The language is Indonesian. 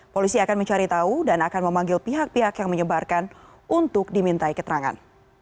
polisi akan mencari tahu dan akan memanggil pihak pihak yang menyebarkan untuk dimintai keterangan